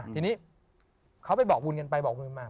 ทีนี้เขาไปบอกบุญกันไปบอกบุญมา